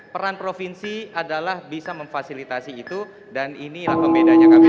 peran provinsi adalah bisa memfasilitasi itu dan inilah pembedanya kami